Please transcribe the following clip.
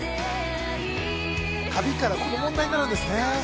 旅からこの問題になるんですね